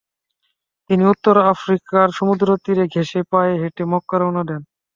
তিনি উত্তর আফ্রিকার সমুদ্র তীর ঘেঁষে পায়ে হেঁটে মক্কা রওনা দেন।